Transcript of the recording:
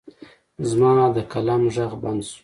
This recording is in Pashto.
زما د قلم غږ بند شو.